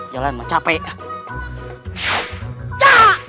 jalan mah capek